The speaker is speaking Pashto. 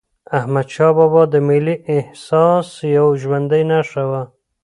احمدشاه بابا د ملي احساس یوه ژوندي نښه وه.